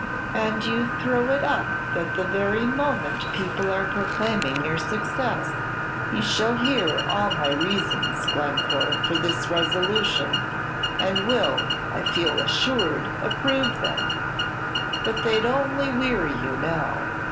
"And you throw it up at the very moment people are proclaiming your success!" "You shall hear all my reasons, Glencore, for this resolution, and will, I feel assured, approve of them; but they 'd only weary you now."